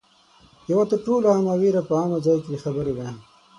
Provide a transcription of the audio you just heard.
یوه تر ټولو عامه وېره په عامه ځای کې د خبرو ده